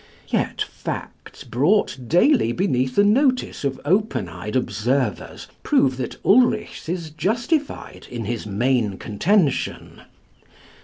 Yet facts brought daily beneath the notice of open eyed observers prove that Ulrichs is justified in his main contention.